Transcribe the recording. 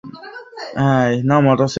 এজন্য ভাবলাম আপনি সাহায্য করতে পারেন।